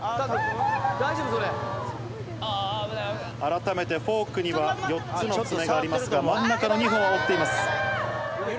改めてフォークには４つの爪がありますが、真ん中の２本は折っています。